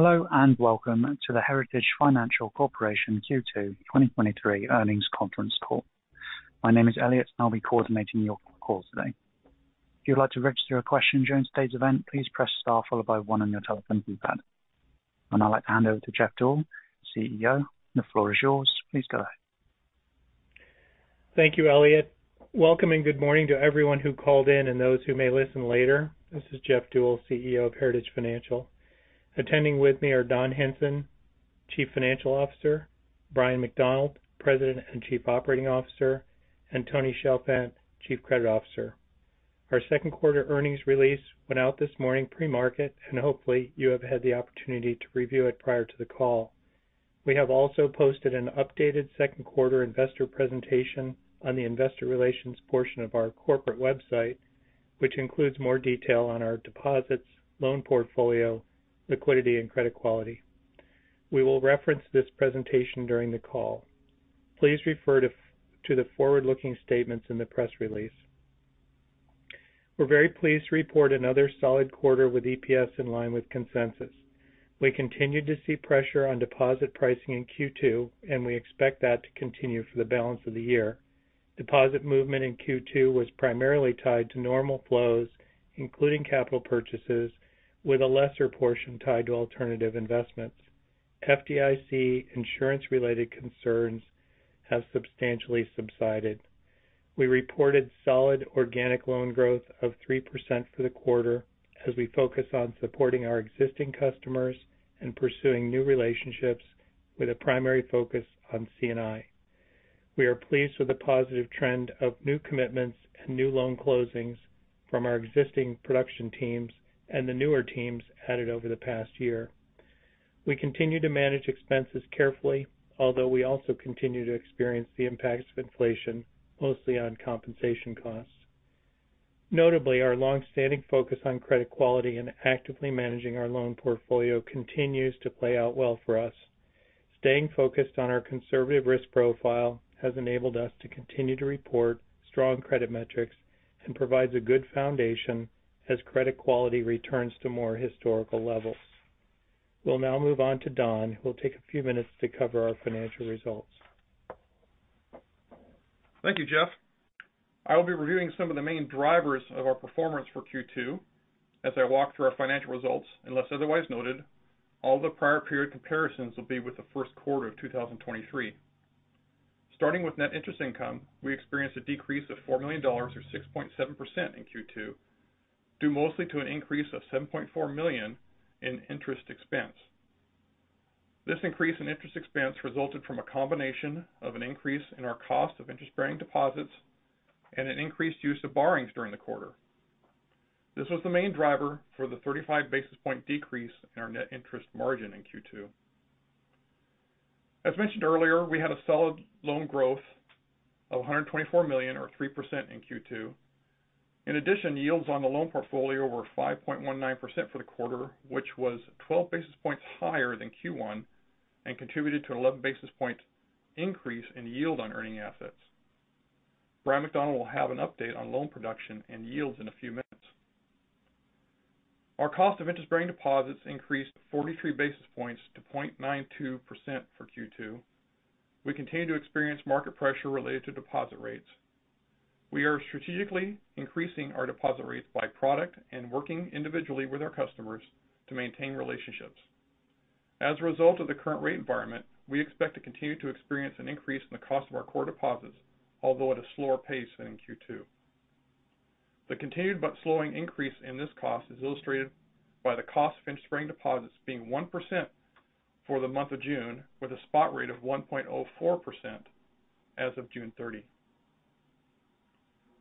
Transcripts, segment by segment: Hello, welcome to the Heritage Financial Corporation Q2 2023 earnings conference call. My name is Elliot, I'll be coordinating your call today. If you'd like to register a question during today's event, please press Star followed by one on your telephone keypad. I'd like to hand over to Jeff Deuel, CEO. The floor is yours. Please go ahead. Thank you, Elliot. Welcome, and good morning to everyone who called in and those who may listen later. This is Jeff Deuel, CEO of Heritage Financial. Attending with me are Don Hinson, Chief Financial Officer, Bryan McDonald, President and Chief Operating Officer, and Tony Chalfant, Chief Credit Officer. Our second quarter earnings release went out this morning pre-market, and hopefully, you have had the opportunity to review it prior to the call. We have also posted an updated second quarter investor presentation on the investor relations portion of our corporate website, which includes more detail on our deposits, loan portfolio, liquidity, and credit quality. We will reference this presentation during the call. Please refer to the forward-looking statements in the press release. We're very pleased to report another solid quarter with EPS in line with consensus. We continued to see pressure on deposit pricing in Q2, and we expect that to continue for the balance of the year. Deposit movement in Q2 was primarily tied to normal flows, including capital purchases, with a lesser portion tied to alternative investments. FDIC insurance-related concerns have substantially subsided. We reported solid organic loan growth of 3% for the quarter as we focus on supporting our existing customers and pursuing new relationships with a primary focus on C&I. We are pleased with the positive trend of new commitments and new loan closings from our existing production teams and the newer teams added over the past year. We continue to manage expenses carefully, although we also continue to experience the impacts of inflation, mostly on compensation costs. Notably, our long-standing focus on credit quality and actively managing our loan portfolio continues to play out well for us. Staying focused on our conservative risk profile has enabled us to continue to report strong credit metrics and provides a good foundation as credit quality returns to more historical levels. We'll now move on to Don, who will take a few minutes to cover our financial results. Thank you, Jeff. I will be reviewing some of the main drivers of our performance for Q2 as I walk through our financial results. Unless otherwise noted, all the prior period comparisons will be with the first quarter of 2023. Starting with net interest income, we experienced a decrease of $4 million, or 6.7% in Q2, due mostly to an increase of $7.4 million in interest expense. This increase in interest expense resulted from a combination of an increase in our cost of interest-bearing deposits and an increased use of borrowings during the quarter. This was the main driver for the 35 basis point decrease in our net interest margin in Q2. As mentioned earlier, we had a solid loan growth of $124 million, or 3% in Q2. Yields on the loan portfolio were 5.19% for the quarter, which was 12 basis points higher than Q1 and contributed to 11 basis point increase in yield on earning assets. Bryan McDonald will have an update on loan production and yields in a few minutes. Our cost of interest-bearing deposits increased 43 basis points to 0.92% for Q2. We continue to experience market pressure related to deposit rates. We are strategically increasing our deposit rates by product and working individually with our customers to maintain relationships. As a result of the current rate environment, we expect to continue to experience an increase in the cost of our core deposits, although at a slower pace than in Q2. The continued but slowing increase in this cost is illustrated by the cost of interest-bearing deposits being 1% for the month of June, with a spot rate of 1.04% as of June 30th.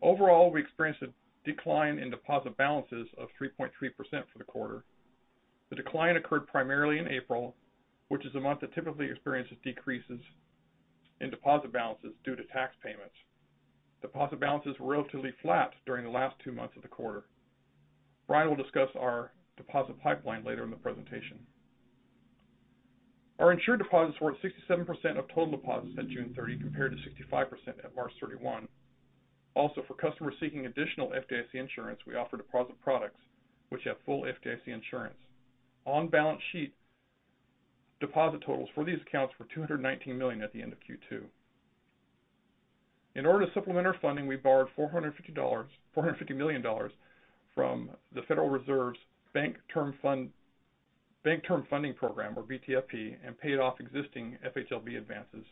Overall, we experienced a decline in deposit balances of 3.3% for the quarter. The decline occurred primarily in April, which is the month that typically experiences decreases in deposit balances due to tax payments. Deposit balances were relatively flat during the last two months of the quarter. Bryan will discuss our deposit pipeline later in the presentation. Our insured deposits were at 67% of total deposits at June 30th, compared to 65% at March 31st. Also, for customers seeking additional FDIC insurance, we offer deposit products which have full FDIC insurance. On-balance sheet deposit totals for these accounts were $219 million at the end of Q2. In order to supplement our funding, we borrowed $450 million from the Federal Reserve's Bank Term Funding Program, or BTFP, and paid off existing FHLB advances.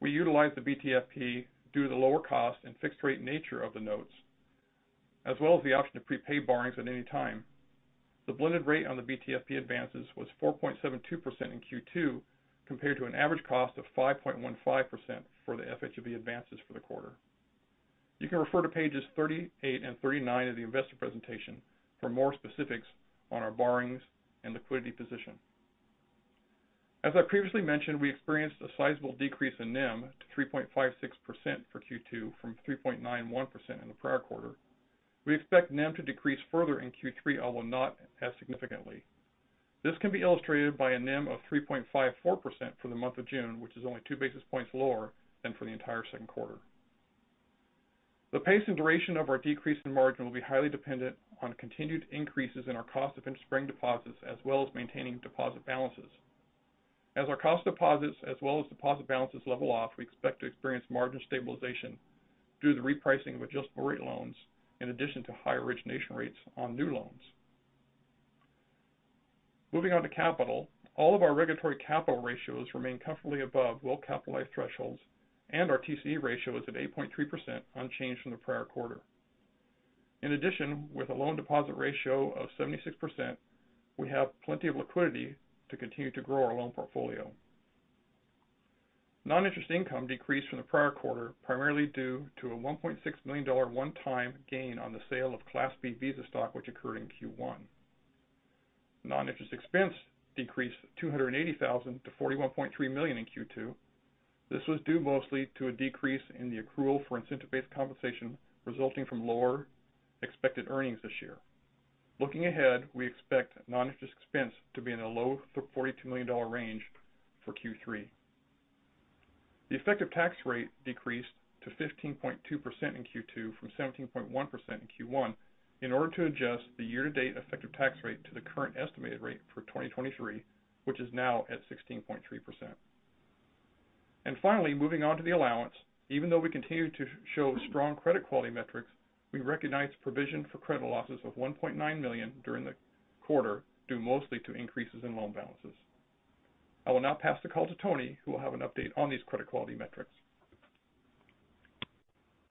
We utilized the BTFP due to the lower cost and fixed rate nature of the notes, as well as the option to prepay borrowings at any time. The blended rate on the BTFP advances was 4.72% in Q2, compared to an average cost of 5.15% for the FHLB advances for the quarter. You can refer to pages 38 and 39 of the investor presentation for more specifics on our borrowings and liquidity position. As I previously mentioned, we experienced a sizable decrease in NIM to 3.56% for Q2 from 3.91% in the prior quarter. We expect NIM to decrease further in Q3, although not as significantly. This can be illustrated by a NIM of 3.54% for the month of June, which is only 2 basis points lower than for the entire second quarter. The pace and duration of our decrease in margin will be highly dependent on continued increases in our cost of interest-bearing deposits, as well as maintaining deposit balances. As our cost deposits as well as deposit balances level off, we expect to experience margin stabilization through the repricing of adjustable-rate loans, in addition to higher origination rates on new loans. Moving on to capital. All of our regulatory capital ratios remain comfortably above well-capitalized thresholds, and our TCE ratio is at 8.3%, unchanged from the prior quarter. In addition, with a loan deposit ratio of 76%, we have plenty of liquidity to continue to grow our loan portfolio. Non-interest income decreased from the prior quarter, primarily due to a $1.6 million one-time gain on the sale of Visa Class B stock, which occurred in Q1. Non-interest expense decreased $280,000 to $41.3 million in Q2. This was due mostly to a decrease in the accrual for incentive-based compensation, resulting from lower expected earnings this year. Looking ahead, we expect non-interest expense to be in the low $42 million range for Q3. The effective tax rate decreased to 15.2% in Q2 from 17.1% in Q1, in order to adjust the year-to-date effective tax rate to the current estimated rate for 2023, which is now at 16.3%. Finally, moving on to the allowance. Even though we continue to show strong credit quality metrics, we recognize provision for credit losses of $1.9 million during the quarter, due mostly to increases in loan balances. I will now pass the call to Tony, who will have an update on these credit quality metrics.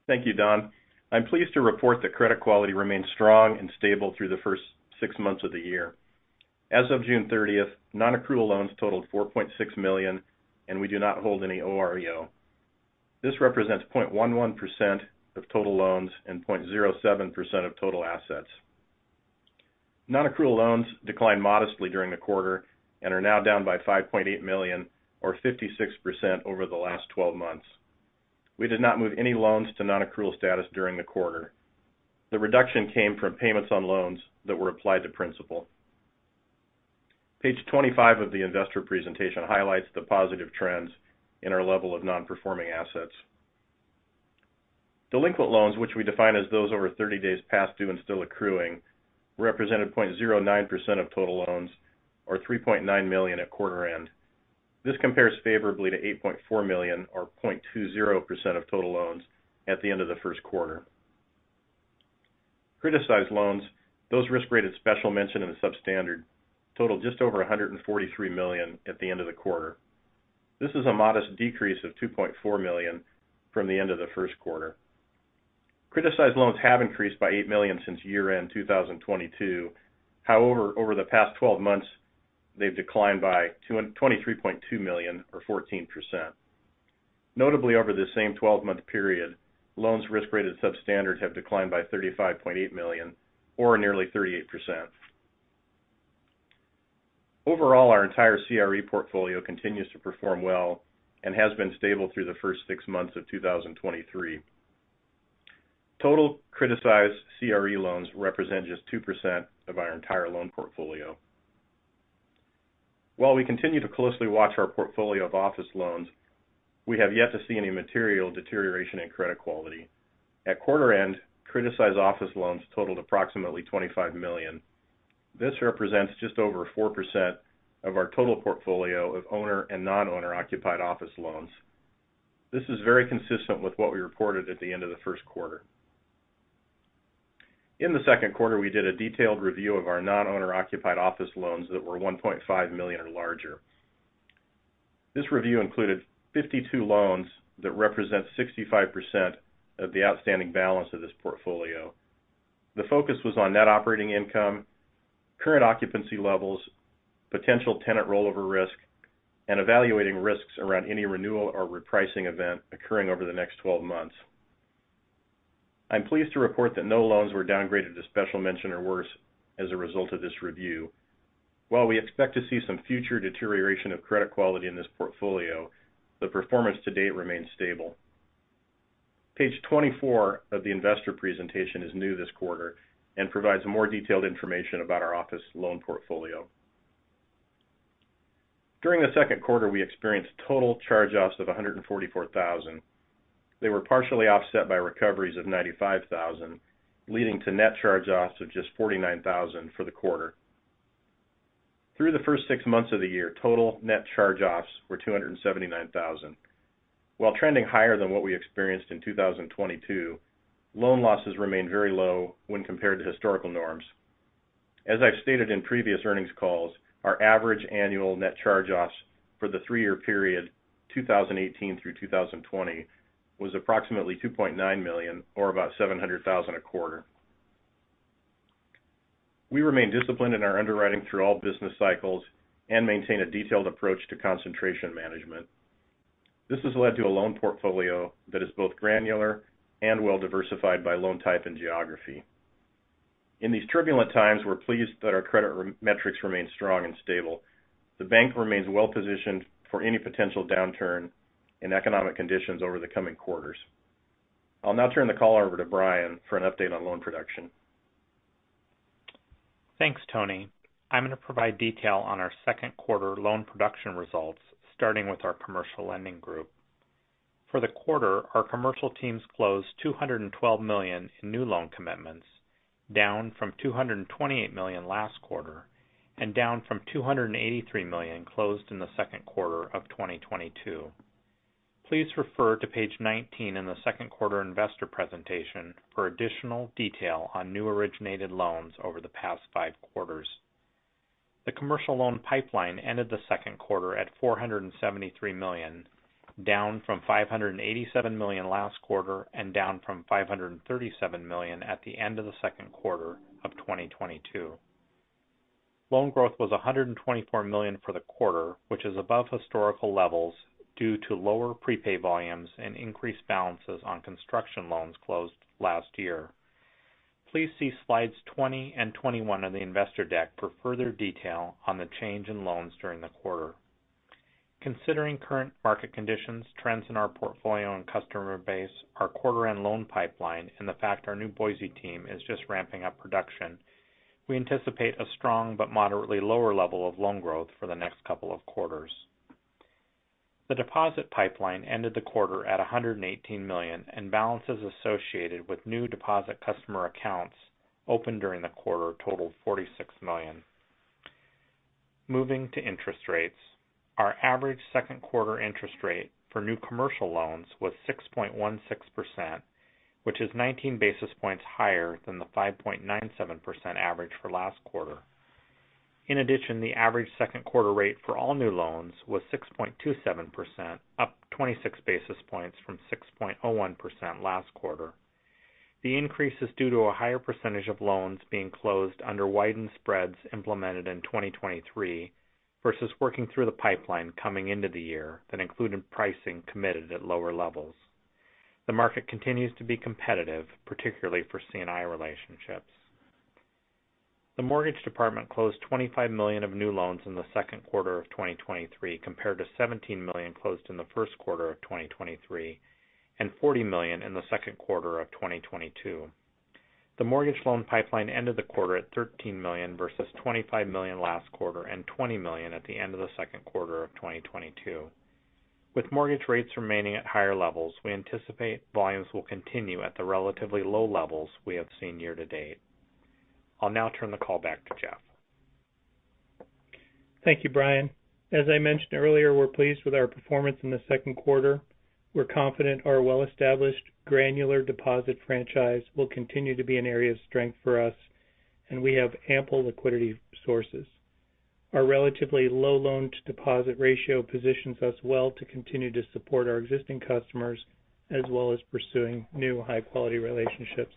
Thank you, Don. I'm pleased to report that credit quality remains strong and stable through the first six months of the year. As of June 30th, nonaccrual loans totaled $4.6 million, and we do not hold any OREO. This represents 0.11% of total loans and 0.07% of total assets. Nonaccrual loans declined modestly during the quarter and are now down by $5.8 million or 56% over the last 12 months. We did not move any loans to nonaccrual status during the quarter. The reduction came from payments on loans that were applied to principal. Page 25 of the investor presentation highlights the positive trends in our level of non-performing assets. Delinquent loans, which we define as those over 30 days past due and still accruing, represented 0.09% of total loans or $3.9 million at quarter end. This compares favorably to $8.4 million or 0.20% of total loans at the end of the first quarter. Criticized loans, those risk-rated special mention in the substandard, totaled just over $143 million at the end of the quarter. This is a modest decrease of $2.4 million from the end of the first quarter. Criticized loans have increased by $8 million since year-end 2022. However, over the past 12 months, they've declined by $23.2 million or 14%. Notably, over the same 12-month period, loans risk-rated substandard have declined by $35.8 million or nearly 38%. Overall, our entire CRE portfolio continues to perform well and has been stable through the first six months of 2023. Total criticized CRE loans represent just 2% of our entire loan portfolio. While we continue to closely watch our portfolio of office loans, we have yet to see any material deterioration in credit quality. At quarter end, criticized office loans totaled approximately $25 million. This represents just over 4% of our total portfolio of owner and non-owner-occupied office loans. This is very consistent with what we reported at the end of the first quarter. In the second quarter, we did a detailed review of our non-owner-occupied office loans that were $1.5 million or larger. This review included 52 loans that represent 65% of the outstanding balance of this portfolio. The focus was on net operating income, current occupancy levels, potential tenant rollover risk, and evaluating risks around any renewal or repricing event occurring over the next 12 months. I'm pleased to report that no loans were downgraded to special mention or worse as a result of this review. While we expect to see some future deterioration of credit quality in this portfolio, the performance to date remains stable. Page 24 of the investor presentation is new this quarter and provides more detailed information about our office loan portfolio. During the second quarter, we experienced total charge-offs of $144,000. They were partially offset by recoveries of $95,000, leading to net charge-offs of just $49,000 for the quarter. Through the first six months of the year, total net charge-offs were $279,000. While trending higher than what we experienced in 2022, loan losses remained very low when compared to historical norms. As I've stated in previous earnings calls, our average annual net charge-offs for the three-year period, 2018 through 2020, was approximately $2.9 million or about $700,000 a quarter. We remain disciplined in our underwriting through all business cycles and maintain a detailed approach to concentration management. This has led to a loan portfolio that is both granular and well diversified by loan type and geography. In these turbulent times, we're pleased that our credit metrics remain strong and stable. The bank remains well positioned for any potential downturn in economic conditions over the coming quarters. I'll now turn the call over to Bryan for an update on loan production. Thanks, Tony. I'm going to provide detail on our second quarter loan production results, starting with our commercial lending group. For the quarter, our commercial teams closed $212 million in new loan commitments, down from $228 million last quarter and down from $283 million closed in the second quarter of 2022. Please refer to page 19 in the second quarter investor presentation for additional detail on new originated loans over the past 5 quarters. The commercial loan pipeline ended the second quarter at $473 million, down from $587 million last quarter and down from $537 million at the end of the second quarter of 2022. Loan growth was $124 million for the quarter, which is above historical levels due to lower prepay volumes and increased balances on construction loans closed last year. Please see slides 20 and 21 in the investor deck for further detail on the change in loans during the quarter. Considering current market conditions, trends in our portfolio and customer base, our quarter-end loan pipeline, and the fact our new Boise team is just ramping up production, we anticipate a strong but moderately lower level of loan growth for the next couple of quarters. The deposit pipeline ended the quarter at $118 million, and balances associated with new deposit customer accounts opened during the quarter totaled $46 million. Moving to interest rates. Our average second quarter interest rate for new commercial loans was 6.16%, which is 19 basis points higher than the 5.97% average for last quarter. In addition, the average second quarter rate for all new loans was 6.27%, up 26 basis points from 6.01% last quarter. The increase is due to a higher percentage of loans being closed under widened spreads implemented in 2023 versus working through the pipeline coming into the year that included pricing committed at lower levels. The market continues to be competitive, particularly for C&I relationships. The mortgage department closed $25 million of new loans in the second quarter of 2023, compared to $17 million closed in the first quarter of 2023 and $40 million in the second quarter of 2022. The mortgage loan pipeline ended the quarter at $13 million versus $25 million last quarter and $20 million at the end of the second quarter of 2022. With mortgage rates remaining at higher levels, we anticipate volumes will continue at the relatively low levels we have seen year to date. I'll now turn the call back to Jeff. Thank you, Bryan. As I mentioned earlier, we're pleased with our performance in the second quarter. We're confident our well-established granular deposit franchise will continue to be an area of strength for us, and we have ample liquidity sources. Our relatively low loan-to-deposit ratio positions us well to continue to support our existing customers, as well as pursuing new high-quality relationships.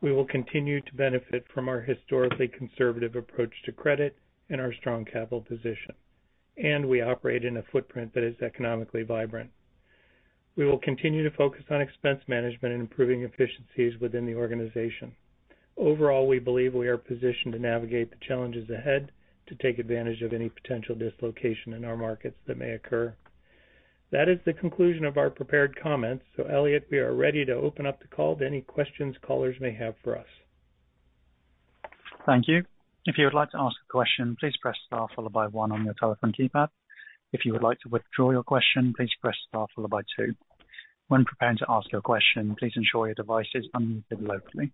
We will continue to benefit from our historically conservative approach to credit and our strong capital position, and we operate in a footprint that is economically vibrant. We will continue to focus on expense management and improving efficiencies within the organization. Overall, we believe we are positioned to navigate the challenges ahead to take advantage of any potential dislocation in our markets that may occur. That is the conclusion of our prepared comments. Elliot, we are ready to open up the call to any questions callers may have for us. Thank you. If you would like to ask a question, please press Star followed by one on your telephone keypad. If you would like to withdraw your question, please press Star followed by two. When preparing to ask your question, please ensure your device is unmuted locally.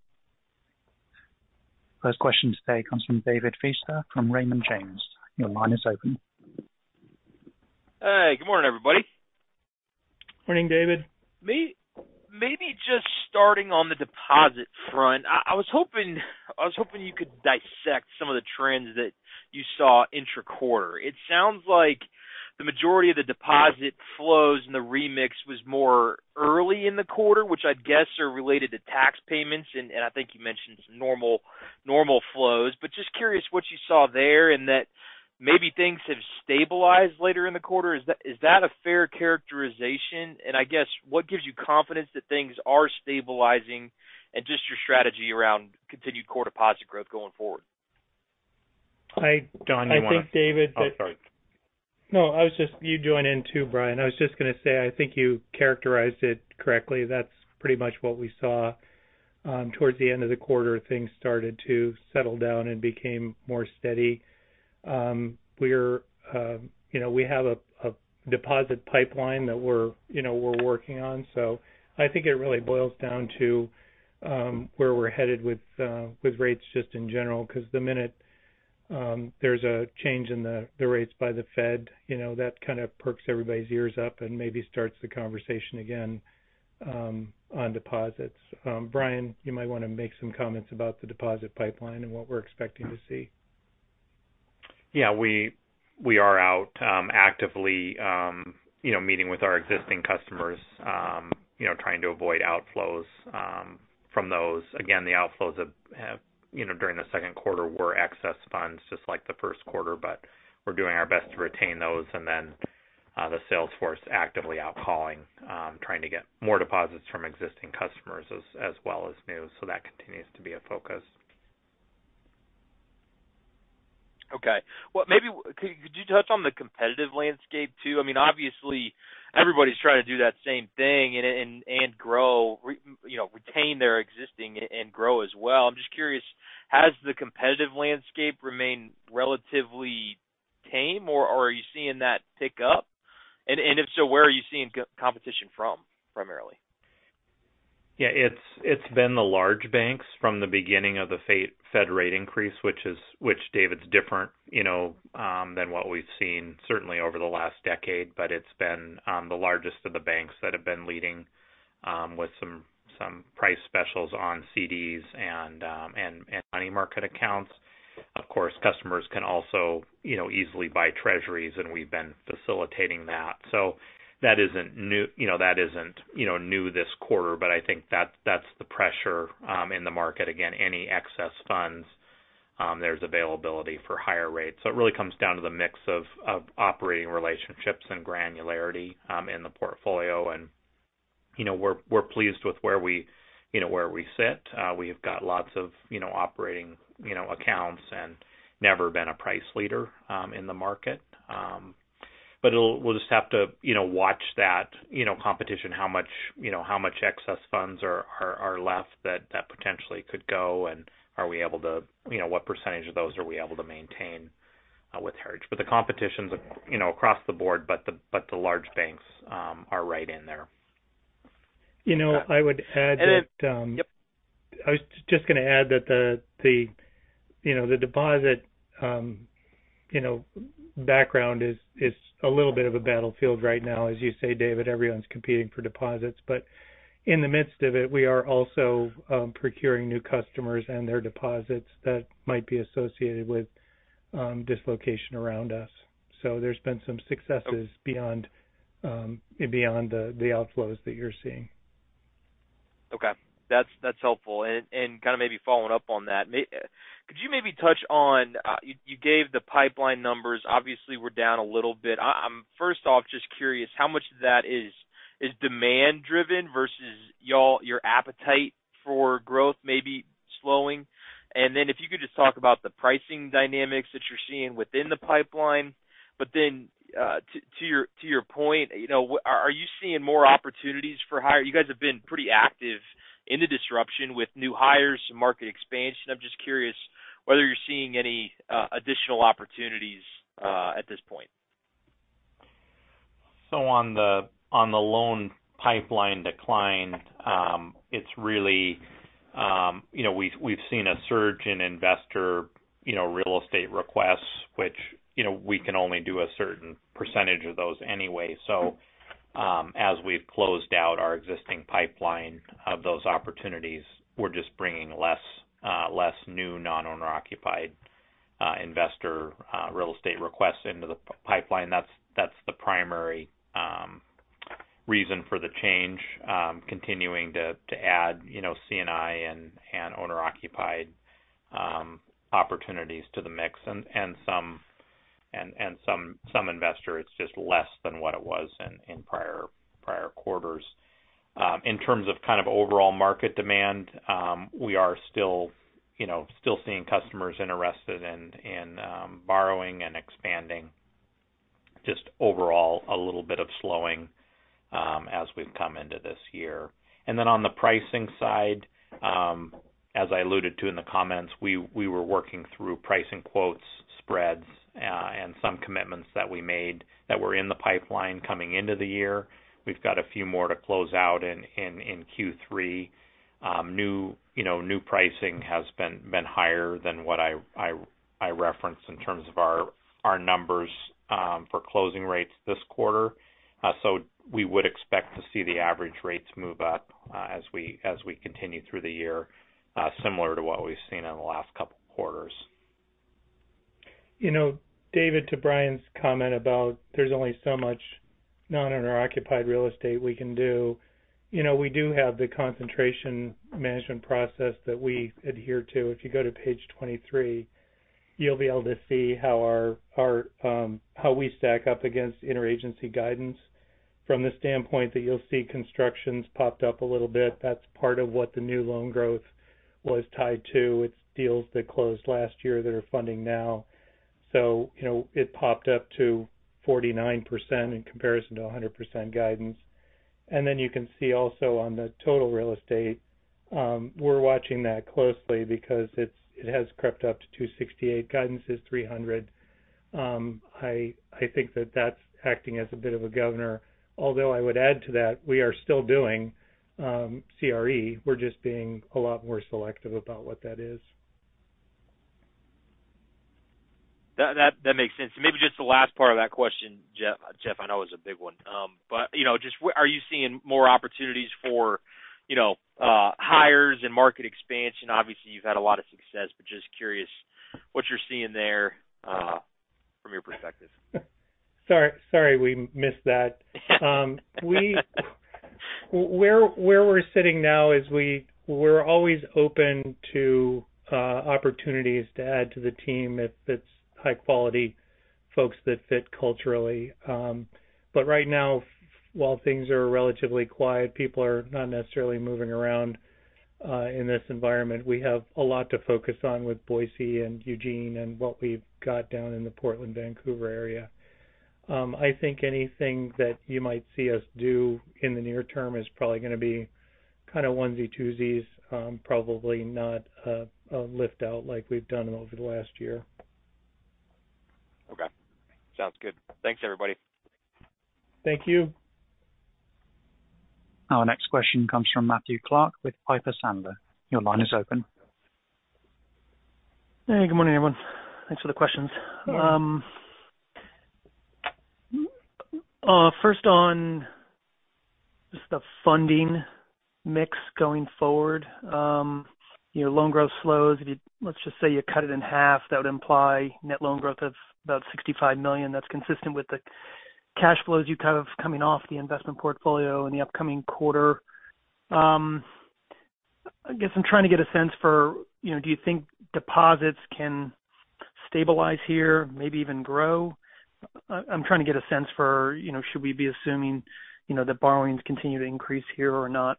First question today comes from David Feaster from Raymond James. Your line is open. Hey, good morning, everybody. Morning, David. Maybe just starting on the deposit front. I was hoping you could dissect some of the trends that you saw intra-quarter. It sounds like the majority of the deposit flows and the remix was more early in the quarter, which I'd guess are related to tax payments, and I think you mentioned some normal flows. Just curious what you saw there and that maybe things have stabilized later in the quarter. Is that a fair characterization? I guess, what gives you confidence that things are stabilizing and just your strategy around continued core deposit growth going forward? I- Don, you want to- I think, David. Oh, sorry. No, you join in, too, Bryan. I was just going to say, I think you characterized it correctly. That's pretty much what we saw. Towards the end of the quarter, things started to settle down and became more steady. We're, you know, we have a deposit pipeline that we're, you know, we're working on. I think it really boils down to where we're headed with rates just in general, because the minute there's a change in the rates by the Fed, you know, that kind of perks everybody's ears up and maybe starts the conversation again on deposits. Bryan, you might want to make some comments about the deposit pipeline and what we're expecting to see. Yeah, we are out, actively, you know, meeting with our existing customers, you know, trying to avoid outflows from those. Again, the outflows have, you know, during the second quarter were excess funds, just like the first quarter, but we're doing our best to retain those, and then, the sales force actively out calling, trying to get more deposits from existing customers as well as new. That continues to be a focus. Okay. Well, maybe could you touch on the competitive landscape, too? I mean, obviously, everybody's trying to do that same thing and grow, you know, retain their existing and grow as well. I'm just curious, has the competitive landscape remained relatively tame, or are you seeing that pick up? If so, where are you seeing competition from, primarily? Yeah, it's been the large banks from the beginning of the Fed rate increase, which, David, is different, you know, than what we've seen certainly over the last decade. It's been the largest of the banks that have been leading with some price specials on CDs and money market accounts. Of course, customers can also, you know, easily buy treasuries, and we've been facilitating that. That isn't new, you know, that isn't, you know, new this quarter, but I think that's the pressure in the market. Again, any excess funds, there's availability for higher rates. It really comes down to the mix of operating relationships and granularity in the portfolio. You know, we're pleased with, you know, where we sit. We've got lots of, you know, operating, you know, accounts and never been a price leader in the market. We'll just have to, you know, watch that, you know, competition, how much, you know, how much excess funds are left that potentially could go, and are we able to? You know, what percentage of those are we able to maintain with Herj? The competition's, you know, across the board, but the large banks are right in there. You know, I would add that. Yep. I was just gonna add that the, you know, the deposit, you know, background is a little bit of a battlefield right now. As you say, David, everyone's competing for deposits. In the midst of it, we are also procuring new customers and their deposits that might be associated with dislocation around us. There's been some successes beyond the outflows that you're seeing. Okay. That's helpful. Kind of maybe following up on that, could you maybe touch on, you gave the pipeline numbers. Obviously, we're down a little bit. I'm first off, just curious, how much of that is demand driven versus y'all- your appetite for growth maybe slowing? And then if you could just talk about the pricing dynamics that you're seeing within the pipeline. To your point, you know, are you seeing more opportunities for hire? You guys have been pretty active in the disruption with new hires and market expansion. I'm just curious whether you're seeing any additional opportunities at this point. On the loan pipeline decline, it's really, you know, we've seen a surge in investor, you know, real estate requests, which, you know, we can only do a certain percentage of those anyway. As we've closed out our existing pipeline of those opportunities, we're just bringing less, less new non-owner occupied, investor, real estate requests into the pipeline. That's the primary reason for the change. Continuing to add, you know, C&I and owner-occupied opportunities to the mix and some investors, it's just less than what it was in prior quarters. In terms of kind of overall market demand, we are still, you know, still seeing customers interested in borrowing and expanding. Just overall, a little bit of slowing, as we've come into this year. On the pricing side, as I alluded to in the comments, we were working through pricing quotes, spreads, and some commitments that we made that were in the pipeline coming into the year. We've got a few more to close out in Q3. New, you know, new pricing has been higher than what I referenced in terms of our numbers, for closing rates this quarter. We would expect to see the average rates move up, as we continue through the year, similar to what we've seen in the last couple quarters. You know, David, to Bryan's comment about there's only so much non-owner occupied real estate we can do, you know, we do have the concentration management process that we adhere to. If you go to page 23, you'll be able to see how our, how we stack up against interagency guidance. From the standpoint that you'll see constructions popped up a little bit, that's part of what the new loan growth was tied to. It's deals that closed last year that are funding now. You know, it popped up to 49% in comparison to 100% guidance. You can see also on the total real estate, we're watching that closely because it has crept up to 268%. Guidance is 300%. I think that's acting as a bit of a governor, although I would add to that, we are still doing CRE. We're just being a lot more selective about what that is. That makes sense. Maybe just the last part of that question, Jeff, I know it was a big one. You know, just are you seeing more opportunities for, you know, hires and market expansion? Obviously, you've had a lot of success, but just curious what you're seeing there, from your perspective. Sorry, we missed that. where we're sitting now is we're always open to opportunities to add to the team if it's high quality folks that fit culturally. Right now, while things are relatively quiet, people are not necessarily moving around in this environment. We have a lot to focus on with Boise and Eugene and what we've got down in the Portland, Vancouver area. I think anything that you might see us do in the near term is probably gonna be kind of onesie, twosies, probably not a lift out like we've done over the last year. Okay. Sounds good. Thanks, everybody. Thank you. Our next question comes from Matthew Clark with Piper Sandler. Your line is open. Hey, good morning, everyone. Thanks for the questions. First on just the funding mix going forward. You know, loan growth slows. Let's just say you cut it in half, that would imply net loan growth of about $65 million. That's consistent with the cash flows you have coming off the investment portfolio in the upcoming quarter. I guess I'm trying to get a sense for, you know, do you think deposits can stabilize here, maybe even grow? I'm trying to get a sense for, you know, should we be assuming, you know, that borrowings continue to increase here or not?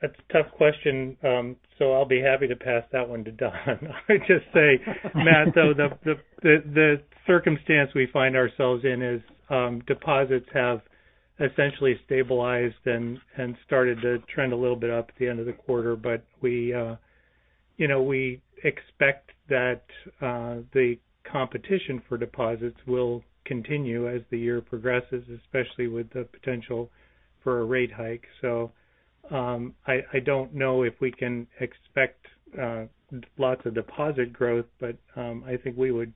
That's a tough question. I'll be happy to pass that one to Don. I'd just say, Matthew, though, the circumstance we find ourselves in is deposits have essentially stabilized and started to trend a little bit up at the end of the quarter. We, you know, we expect that the competition for deposits will continue as the year progresses, especially with the potential for a rate hike. I don't know if we can expect lots of deposit growth, but I think we would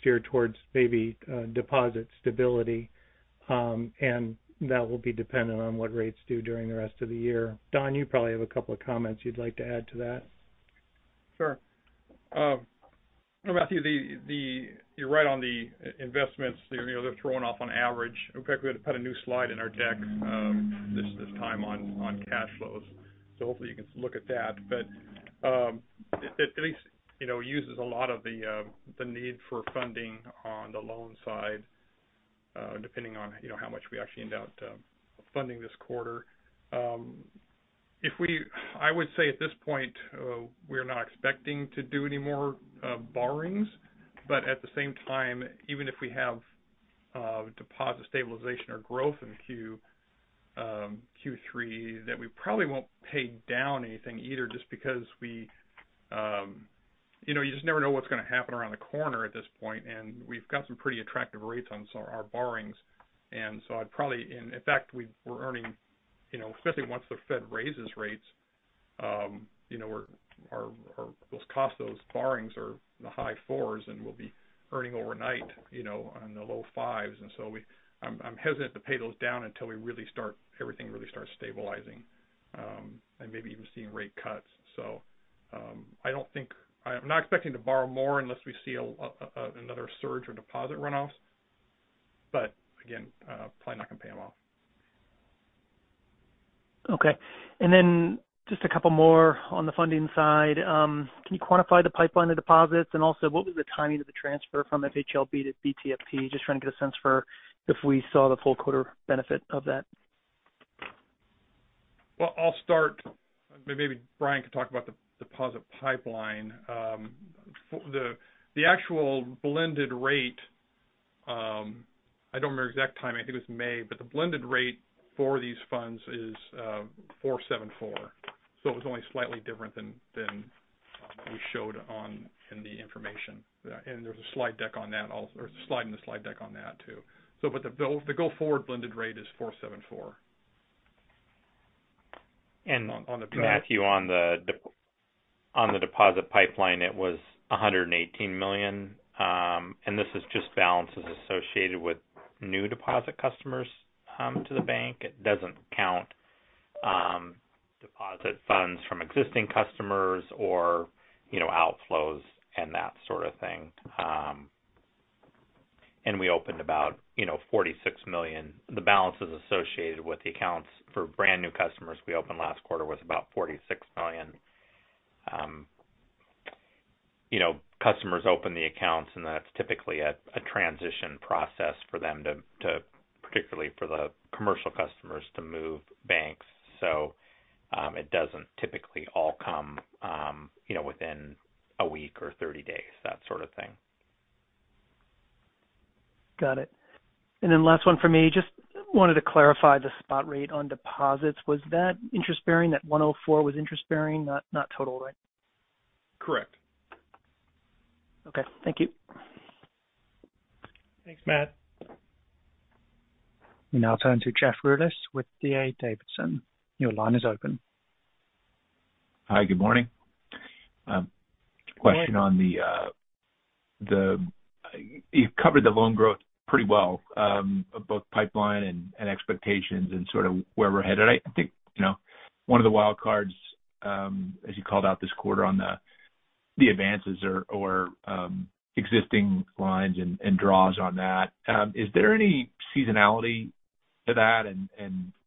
steer towards maybe deposit stability, and that will be dependent on what rates do during the rest of the year. Don, you probably have a couple of comments you'd like to add to that. Sure. Matthew, you're right on the investments. You know, they're throwing off on average. In fact, we had to put a new slide in our deck this time on cash flows. Hopefully you can look at that. It at least, you know, uses a lot of the need for funding on the loan side, depending on, you know, how much we actually end up funding this quarter. I would say at this point, we're not expecting to do any more borrowings. At the same time, even if we have deposit stabilization or growth in Q3, that we probably won't pay down anything either, just because we... You know, you just never know what's gonna happen around the corner at this point. We've got some pretty attractive rates on so our borrowings. In fact, we're earning, you know, especially once the Fed raises rates, you know, our those costs, those borrowings are in the high fours, and we'll be earning overnight, you know, on the low fives. I'm hesitant to pay those down until we really start, everything really starts stabilizing, and maybe even seeing rate cuts. I'm not expecting to borrow more unless we see a another surge or deposit runoffs. Again, probably not gonna pay them off. Just a couple more on the funding side. Can you quantify the pipeline of deposits? What was the timing of the transfer from FHLB to BTFP? Just trying to get a sense for if we saw the full quarter benefit of that. Well, I'll start. Maybe Bryan can talk about the deposit pipeline. For the actual blended rate, I don't remember the exact timing, I think it was May, but the blended rate for these funds is 4.74%. It was only slightly different than we showed on in the information. There's a slide deck on that also, or a slide in the slide deck on that, too. The go-forward blended rate is 4.74%. And on the- Matthew, on the deposit pipeline, it was $118 million. This is just balances associated with new deposit customers, to the bank. It doesn't count, deposit funds from existing customers or, you know, outflows and that sort of thing. We opened about, you know, $46 million. The balances associated with the accounts for brand new customers we opened last quarter was about $46 million. You know, customers open the accounts, and that's typically a transition process for them to, particularly for the commercial customers, to move banks. It doesn't typically all come, you know, within a week or 30 days, that sort of thing. Got it. Then last one for me, just wanted to clarify the spot rate on deposits. Was that interest-bearing, that 1.04 was interest-bearing, not total, right? Correct. Okay, thank you. Thanks, Matthew. We now turn to Jeff Rulis with D.A. Davidson. Your line is open. Hi, good morning. Question on the you've covered the loan growth pretty well, both pipeline and expectations and sort of where we're headed. I think, you know, one of the wild cards, as you called out this quarter on the advances or existing lines and draws on that. Is there any seasonality to that and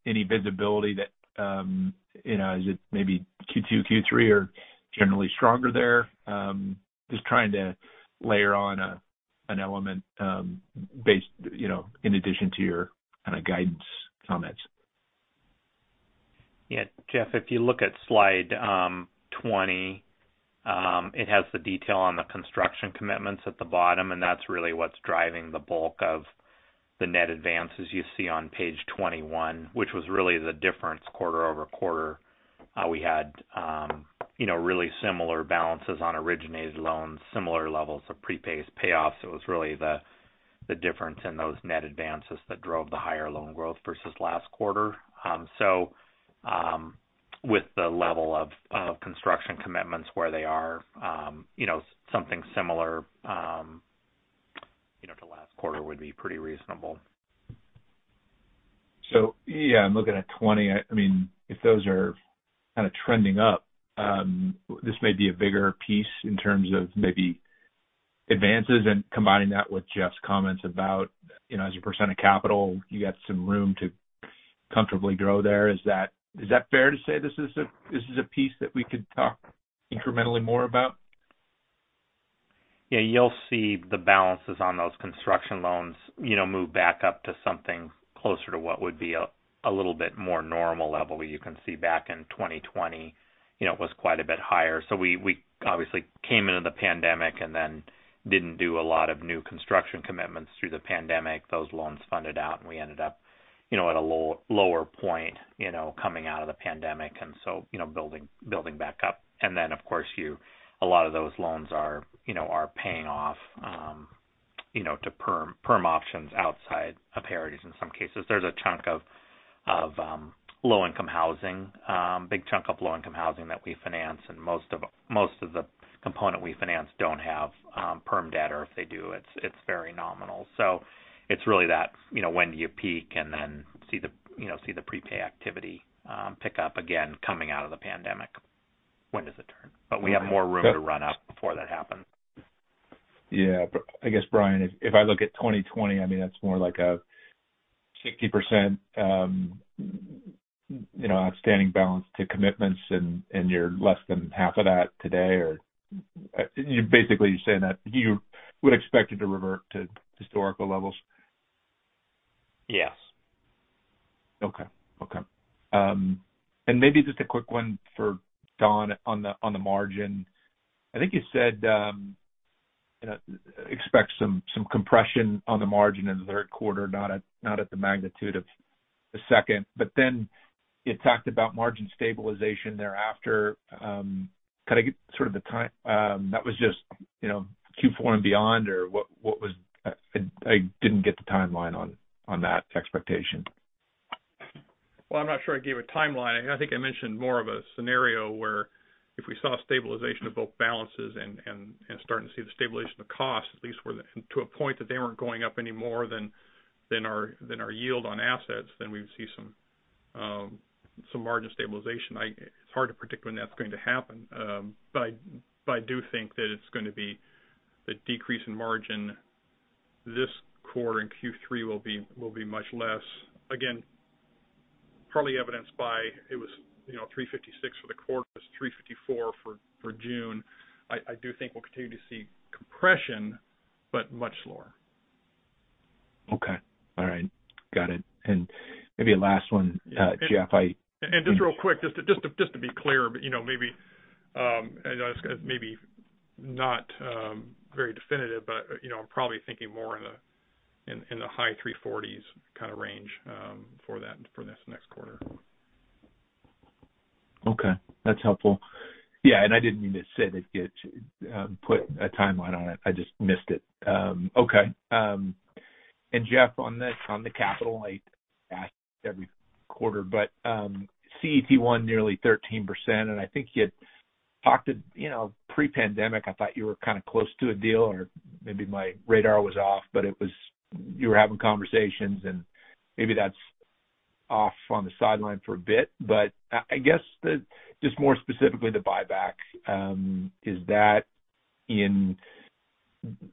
any visibility that, you know, is it maybe Q2, Q3, or generally stronger there? Just trying to layer on an element, based, you know, in addition to your kind of guidance comments. Yeah, Jeff, if you look at slide, 20, it has the detail on the construction commitments at the bottom, and that's really what's driving the bulk of the net advances you see on page 21, which was really the difference quarter-over-quarter. We had, you know, really similar balances on originated loans, similar levels of prepays payoffs. It was really the difference in those net advances that drove the higher loan growth versus last quarter. With the level of construction commitments where they are, you know, something similar, you know, to last quarter would be pretty reasonable. Yeah, I'm looking at 20. I mean, if those are kind of trending up, this may be a bigger piece in terms of maybe advances and combining that with Jeff's comments about, you know, as a percent of capital, you got some room to comfortably grow there. Is that fair to say? This is a piece that we could talk incrementally more about? Yeah, you'll see the balances on those construction loans, you know, move back up to something closer to what would be a little bit more normal level. You can see back in 2020, you know, it was quite a bit higher. We obviously came into the pandemic and then didn't do a lot of new construction commitments through the pandemic. Those loans funded out, and we ended up, you know, at a lower point, you know, coming out of the pandemic. Building back up. Of course, a lot of those loans are, you know, are paying off, you know, to perm options outside of Parades in some cases. There's a chunk of low-income housing, big chunk of low-income housing that we finance, and most of the component we finance don't have perm debt, or if they do, it's very nominal. It's really that, you know, when do you peak and then see the, you know, prepay activity pick up again coming out of the pandemic. When does it turn? We have more room to run up before that happens. Yeah. I guess, Bryan, if I look at 2020, I mean, that's more like a 60%, you know, outstanding balance to commitments, and you're less than half of that today or? You basically saying that you would expect it to revert to historical levels? Yes. Okay. Okay. Maybe just a quick one for Don on the, on the margin. I think you said, you know, expect some compression on the margin in the third quarter, not at the magnitude of the second, but then you talked about margin stabilization thereafter. Could I get sort of the time, that was just, you know, Q4 and beyond or what was? I didn't get the timeline on that expectation. Well, I'm not sure I gave a timeline. I think I mentioned more of a scenario where if we saw stabilization of both balances and starting to see the stabilization of costs, at least to a point that they weren't going up any more than our yield on assets, then we'd see some margin stabilization. It's hard to predict when that's going to happen. I do think that it's going to be the decrease in margin this quarter, and Q3 will be much less. Again, probably evidenced by it was, you know, 3.56% for the quarter, 3.54% for June. I do think we'll continue to see compression, but much lower. Okay. All right. Got it. Maybe a last one, Jeff. Just real quick, just to be clear, but, you know, maybe, and maybe not, very definitive, but, you know, I'm probably thinking more in the high 340s kind of range for that, for this next quarter. Okay. That's helpful. Yeah, I didn't mean to say that, put a timeline on it. I just missed it. Okay. Jeff, on the, on the capital, I ask every quarter, but, CET1, nearly 13%, and I think you'd talked to, you know, pre-pandemic, I thought you were kind of close to a deal or maybe my radar was off, but you were having conversations, and maybe that's off on the sideline for a bit. I guess the, just more specifically, the buyback. Is that in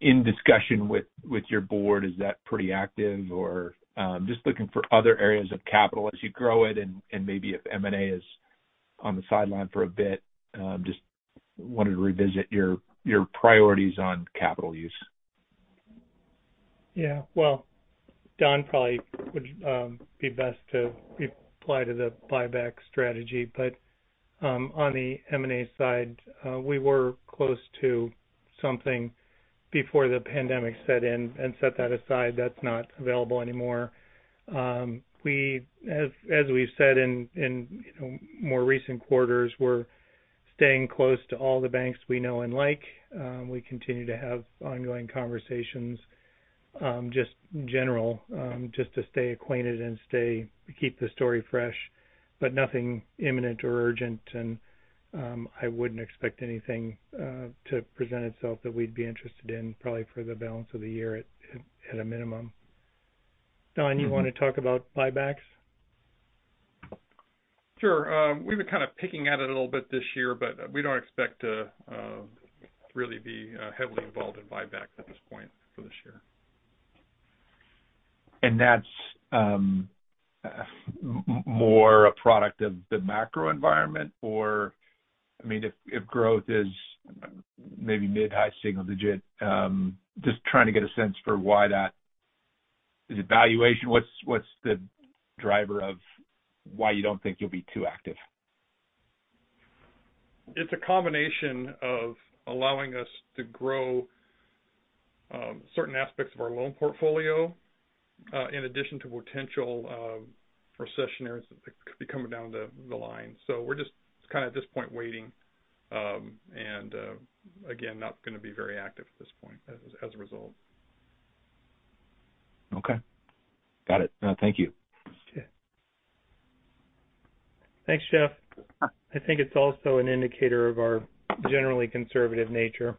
discussion with your board, is that pretty active or, just looking for other areas of capital as you grow it and maybe if M&A is on the sideline for a bit, just wanted to revisit your priorities on capital use. Yeah. Well, Don, probably would be best to reply to the buyback strategy, but on the M&A side, we were close to something before the pandemic set in and set that aside. That's not available anymore. As we've said in, you know, more recent quarters, we're staying close to all the banks we know and like. We continue to have ongoing conversations, just general, just to stay acquainted and keep the story fresh, but nothing imminent or urgent. I wouldn't expect anything to present itself that we'd be interested in, probably for the balance of the year at a minimum. Don, you want to talk about buybacks? Sure. We've been kind of picking at it a little bit this year, but we don't expect to really be heavily involved in buyback at this point for this year. That's more a product of the macro environment? Or, I mean, if growth is maybe mid high single digit, just trying to get a sense for why that. Is it valuation? What's the driver of why you don't think you'll be too active? It's a combination of allowing us to grow, certain aspects of our loan portfolio, in addition to potential, recession areas that could be coming down the line. We're just kind of, at this point, waiting, and, again, not gonna be very active at this point as a result. Okay. Got it. Thank you. Okay. Thanks, Jeff. I think it's also an indicator of our generally conservative nature.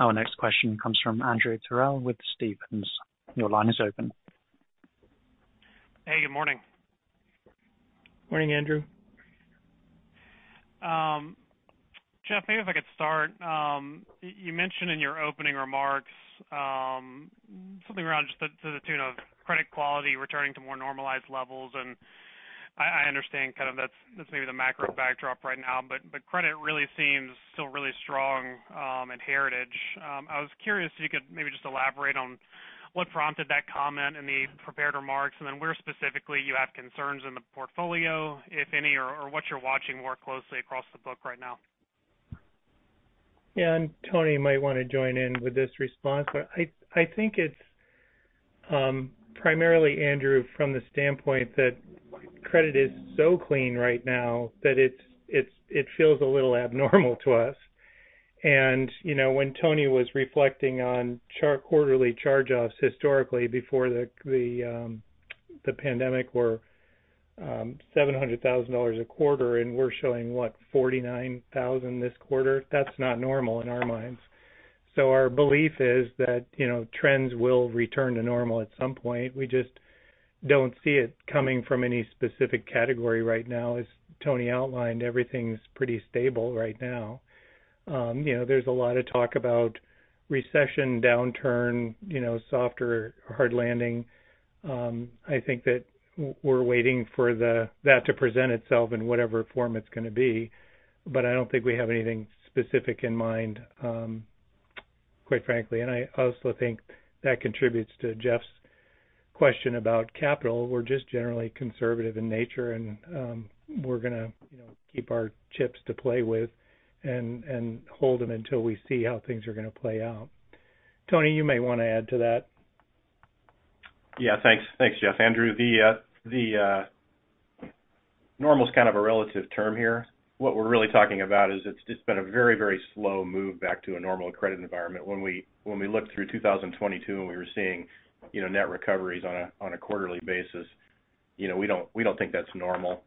Our next question comes from Andrew Terrell with Stephens. Your line is open. Hey, good morning. Morning, Andrew. Jeff, maybe if I could start. You mentioned in your opening remarks, something around just the, to the tune of credit quality, returning to more normalized levels, and I understand kind of that's maybe the macro backdrop right now, but credit really seems still really strong at Heritage. I was curious if you could maybe just elaborate on what prompted that comment in the prepared remarks, and then where specifically you have concerns in the portfolio, if any, or what you're watching more closely across the book right now. Yeah, Tony might want to join in with this response, but I think it's primarily, Andrew, from the standpoint that credit is so clean right now that it feels a little abnormal to us. You know, when Tony was reflecting on quarterly charge-offs historically before the pandemic were $700,000 a quarter, and we're showing, what, $49,000 this quarter? That's not normal in our minds. Our belief is that, you know, trends will return to normal at some point. We just don't see it coming from any specific category right now. As Tony outlined, everything's pretty stable right now. You know, there's a lot of talk about recession, downturn, you know, soft or hard landing. I think that we're waiting for that to present itself in whatever form it's gonna be, but I don't think we have anything specific in mind, quite frankly. I also think that contributes to Jeff's question about capital. We're just generally conservative in nature, we're gonna, you know, keep our chips to play with and hold them until we see how things are gonna play out. Tony, you may wanna add to that. Thanks. Thanks, Jeff. Andrew, the normal is kind of a relative term here. What we're really talking about is it's just been a very, very slow move back to a normal credit environment. When we looked through 2022 and we were seeing, you know, net recoveries on a quarterly basis, you know, we don't think that's normal.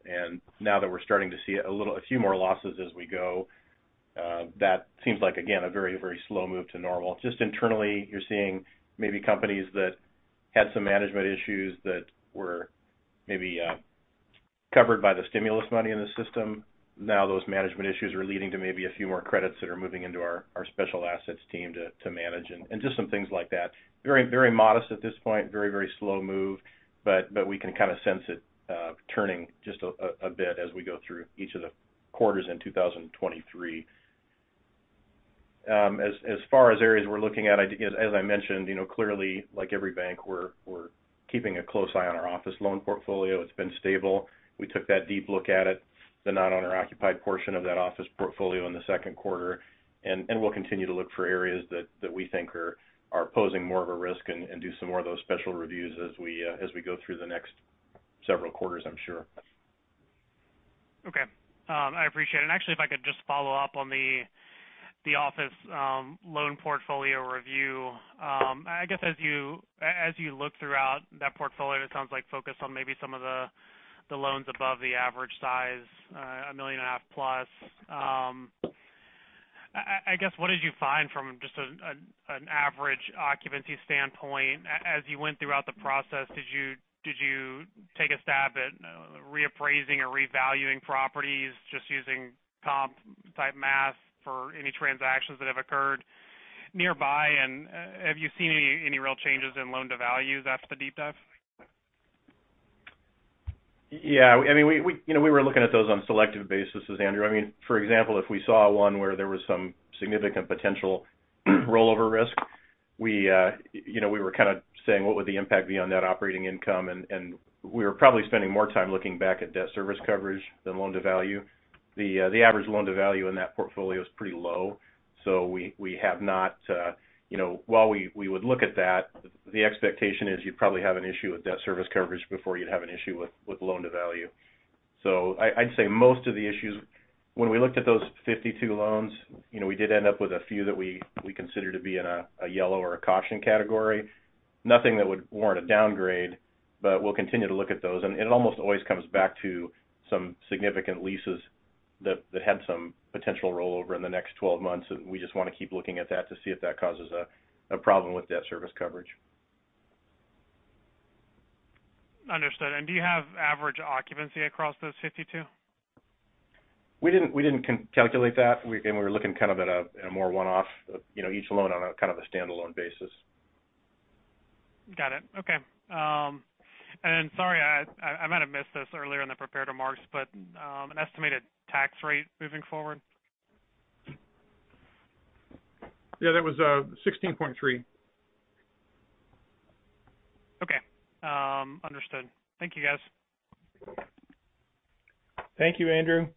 Now that we're starting to see a few more losses as we go, that seems like, again, a very, very slow move to normal. Just internally, you're seeing maybe companies that had some management issues that were maybe covered by the stimulus money in the system. Those management issues are leading to maybe a few more credits that are moving into our special assets team to manage and just some things like that. Very modest at this point. Very slow move, but we can kind of sense it turning just a bit as we go through each of the quarters in 2023. As far as areas we're looking at, as I mentioned, you know, clearly, like every bank, we're keeping a close eye on our office loan portfolio. It's been stable. We took that deep look at it, the not owner-occupied portion of that office portfolio in the second quarter, and we'll continue to look for areas that we think are posing more of a risk and do some more of those special reviews as we go through the next several quarters, I'm sure. Okay. I appreciate it. Actually, if I could just follow up on the office loan portfolio review. I guess as you look throughout that portfolio, and it sounds like focused on maybe some of the loans above the average size, a million and a half plus. I guess, what did you find from just an average occupancy standpoint? As you went throughout the process, did you take a stab at reappraising or revaluing properties, just using comp-type math for any transactions that have occurred nearby? Have you seen any real changes in loan-to-values after the deep dive? Yeah, I mean, you know, we were looking at those on a selective basis, Andrew. I mean, for example, if we saw one where there was some significant potential, rollover risk, we, you know, we were kind of saying: What would the impact be on net operating income? We were probably spending more time looking back at debt service coverage than loan-to-value. The average loan-to-value in that portfolio is pretty low. You know, while we would look at that, the expectation is you'd probably have an issue with debt service coverage before you'd have an issue with loan-to-value. I'd say most of the issues, when we looked at those 52 loans, you know, we did end up with a few that we consider to be in a yellow or a caution category. Nothing that would warrant a downgrade, but we'll continue to look at those. It almost always comes back to some significant leases.... that had some potential rollover in the next 12 months, and we just want to keep looking at that to see if that causes a problem with debt service coverage. Understood. Do you have average occupancy across those 52? We didn't calculate that. Again, we were looking kind of at a more one-off, you know, each loan on a kind of a standalone basis. Got it. Okay. Then, sorry, I might have missed this earlier in the prepared remarks, but, an estimated tax rate moving forward? Yeah, that was, 16.3. Okay. Understood. Thank you, guys. Thank you, Andrew.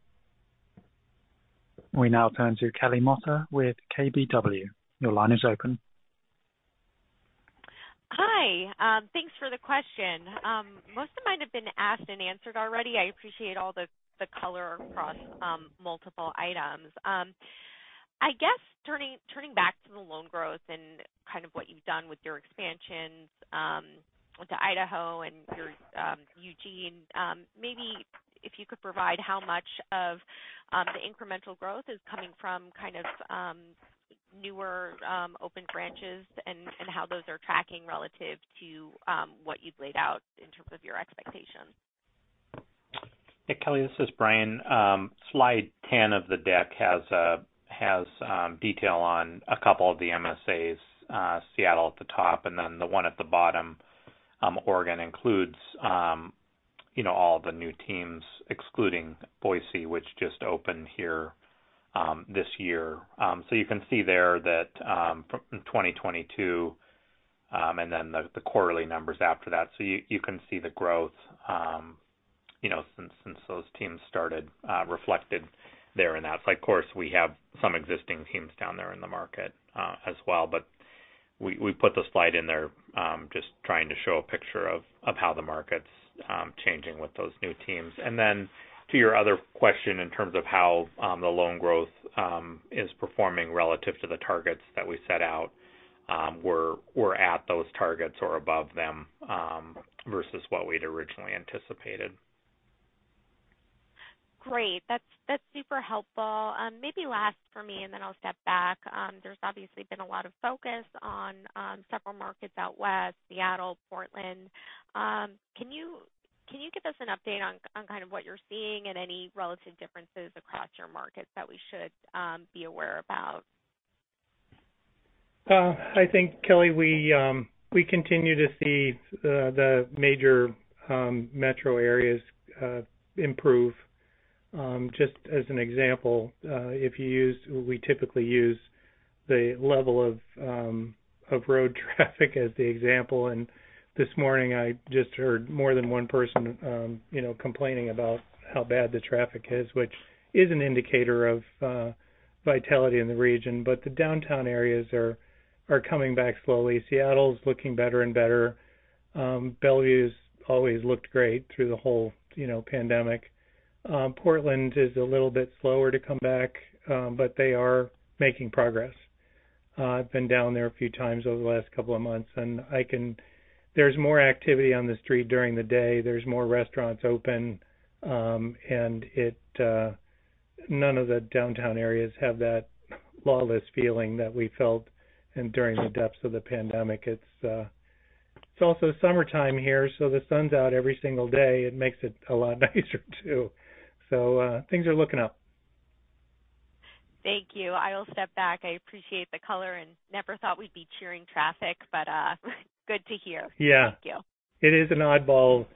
We now turn to Kelly Motta with KBW. Your line is open. Hi, thanks for the question. Most of mine have been asked and answered already. I appreciate all the color across multiple items. I guess turning back to the loan growth and kind of what you've done with your expansions, with the Idaho and your Eugene, maybe if you could provide how much of the incremental growth is coming from kind of newer open branches and how those are tracking relative to what you've laid out in terms of your expectations? Hey, Kelly, this is Bryan. Slide 10 of the deck has detail on a couple of the MSAs, Seattle at the top, and then the one at the bottom, Oregon, includes, you know, all the new teams, excluding Boise, which just opened here this year. You can see there that from 2022 and then the quarterly numbers after that. You can see the growth, you know, since those teams started, reflected there in that slide. Of course, we have some existing teams down there in the market as well, but we put the slide in there just trying to show a picture of how the market's changing with those new teams. Then to your other question, in terms of how the loan growth is performing relative to the targets that we set out, we're at those targets or above them, versus what we'd originally anticipated. Great. That's super helpful. Maybe last for me, then I'll step back. There's obviously been a lot of focus on several markets out west, Seattle, Portland. Can you give us an update on kind of what you're seeing and any relative differences across your markets that we should be aware about? I think, Kelly, we continue to see the major metro areas improve. Just as an example, we typically use the level of road traffic as the example, and this morning, I just heard more than one person, you know, complaining about how bad the traffic is, which is an indicator of vitality in the region. The downtown areas are coming back slowly. Seattle's looking better and better. Bellevue's always looked great through the whole, you know, pandemic. Portland is a little bit slower to come back. They are making progress. I've been down there a few times over the last couple of months, and there's more activity on the street during the day. There's more restaurants open, and it, none of the downtown areas have that lawless feeling that we felt in during the depths of the pandemic. It's also summertime here, so the sun's out every single day. It makes it a lot nicer, too. Things are looking up. Thank you. I will step back. I appreciate the color and never thought we'd be cheering traffic, but good to hear. Yeah. Thank you. It is an oddball,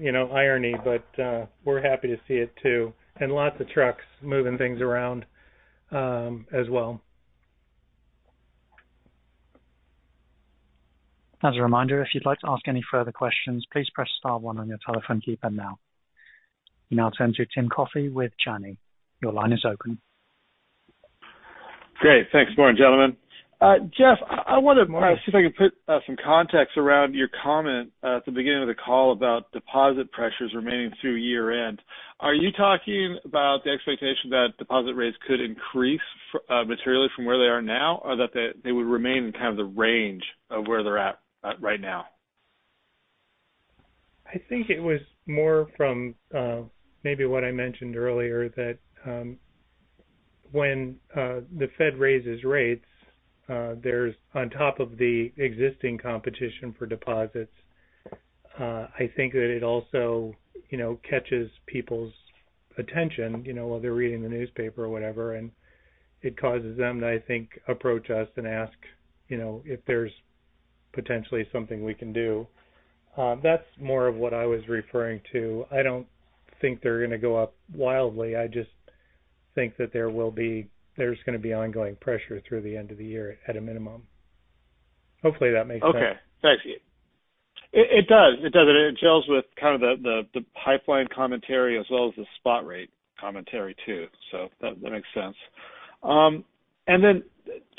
you know, irony, but we're happy to see it, too, and lots of trucks moving things around, as well. As a reminder, if you'd like to ask any further questions, please press star one on your telephone keypad now. We now turn to Timothy Coffey with Janney. Your line is open. Great. Thanks, morning, gentlemen. Jeff, I wonder, see if I can put some context around your comment at the beginning of the call about deposit pressures remaining through year-end. Are you talking about the expectation that deposit rates could increase, materially from where they are now, or that they would remain in kind of the range of where they're at, right now? I think it was more from maybe what I mentioned earlier, that when the Fed raises rates, there's on top of the existing competition for deposits. I think that it also, you know, catches people's attention, you know, while they're reading the newspaper or whatever. It causes them to, I think, approach us and ask, you know, if there's potentially something we can do. That's more of what I was referring to. I don't think they're gonna go up wildly. I just think that there's gonna be ongoing pressure through the end of the year, at a minimum. Hopefully, that makes sense. Okay, thanks. It does. It gels with kind of the pipeline commentary as well as the spot rate commentary, too. That makes sense.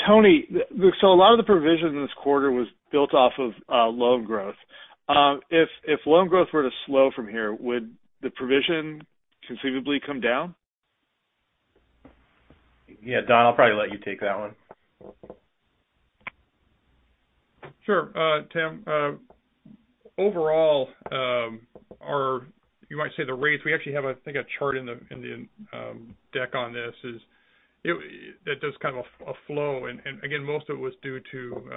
Tony, a lot of the provision in this quarter was built off of loan growth. If loan growth were to slow from here, would the provision conceivably come down? Yeah, Don, I'll probably let you take that one. Sure, Timothy, overall, our, you might say the rates, we actually have, I think, a chart in the deck on this, is it, that does kind of a flow. Again, most of it was due to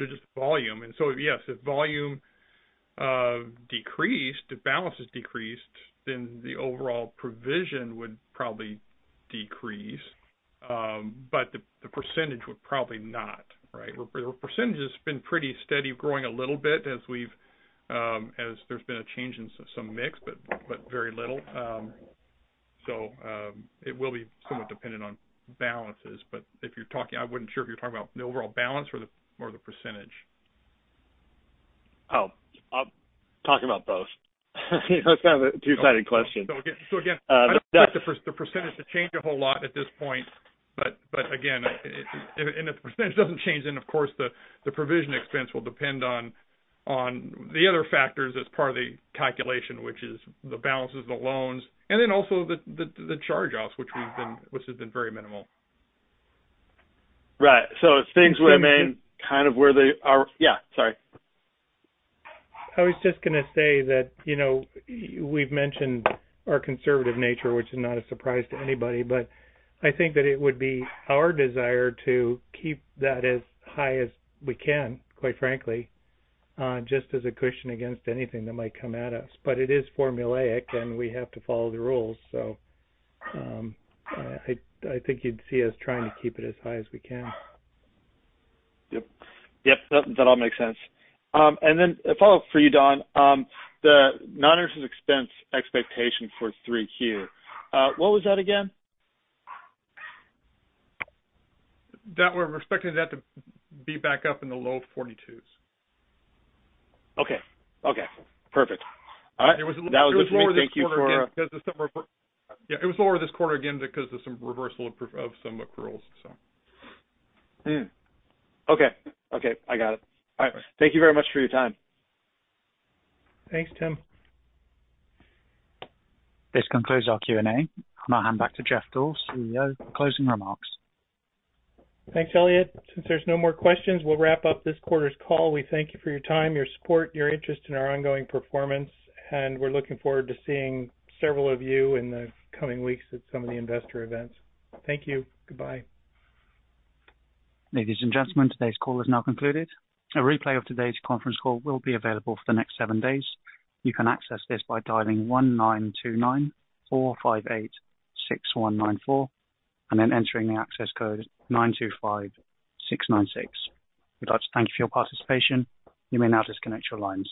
just volume. Yes, if volume decreased, if balances decreased, then the overall provision would probably decrease. The percentage would probably not, right? The percentage has been pretty steady, growing a little bit as we've, as there's been a change in some mix, but very little. It will be somewhat dependent on balances, but if you're talking, I wouldn't sure if you're talking about the overall balance or the percentage. Oh, I'm talking about both. It's kind of a two-sided question. Again, the first, the percentage to change a whole lot at this point, but again, if the percentage doesn't change, of course, the provision expense will depend on the other factors as part of the calculation, which is the balances, the loans, and also the charge-offs, which has been very minimal. Right. If things remain kind of where they are... Yeah, sorry. I was just gonna say that, you know, we've mentioned our conservative nature, which is not a surprise to anybody, but I think that it would be our desire to keep that as high as we can, quite frankly, just as a cushion against anything that might come at us. It is formulaic, and we have to follow the rules. I think you'd see us trying to keep it as high as we can. Yep. Yep, that all makes sense. A follow-up for you, Don. The non-interest expense expectation for 3Q. What was that again? We're expecting that to be back up in the low 42s. Okay. Okay, perfect. All right. It was lower this quarter again, because of some. Thank you. Yeah, it was lower this quarter again, because of some reversal of some accruals, so. Okay. Okay, I got it. All right. Thank you very much for your time. Thanks, Timothy. This concludes our Q&A. I'll hand back to Jeff Deuel, CEO, for closing remarks. Thanks, Elliot. Since there's no more questions, we'll wrap up this quarter's call. We thank you for your time, your support, your interest in our ongoing performance. We're looking forward to seeing several of you in the coming weeks at some of the investor events. Thank you. Goodbye. Ladies and gentlemen, today's call is now concluded. A replay of today's conference call will be available for the next seven days. You can access this by dialing 19294586194, and then entering the access code 925696. We'd like to thank you for your participation. You may now disconnect your lines.